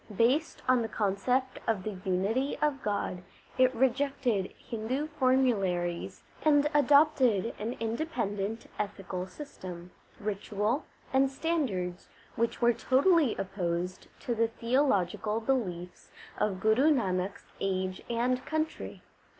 Based on the concept of the unity of God, it rejected Hindu formularies and adopted an independent ethical system, ritual, and standards which were totally opposed to the theological beliefs of Guru Nanak s age and country.